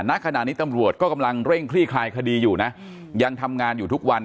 ณขณะนี้ตำรวจก็กำลังเร่งคลี่คลายคดีอยู่นะยังทำงานอยู่ทุกวัน